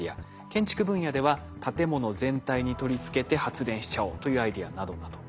建築分野では建物全体に取り付けて発電しちゃおうというアイデアなどなど。